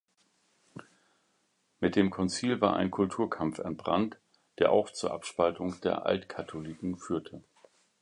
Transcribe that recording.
Mit dem Konzil war ein Kulturkampf entbrannt, der auch zur Abspaltung der Altkatholiken führte.